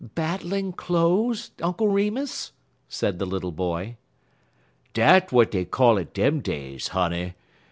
"Battling clothes, Uncle Remus?" said the little boy. "Dat w'at dey call it dem days, honey.